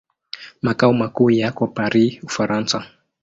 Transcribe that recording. Makao makuu yako Paris, Ufaransa.